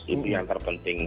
itu yang terpenting